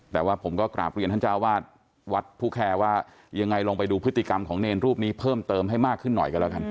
แต่ว่าผมก็กราบเรียนท่านเจ้าวาดวัดผู้แคร์ว่ายังไงลองไปดูพฤติกรรมของเนรรูปนี้เพิ่มเติมให้มากขึ้นหน่อยกันแล้วกัน